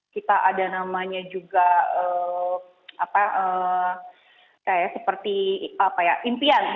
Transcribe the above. kita ada namanya juga apa kayak seperti apa ya impian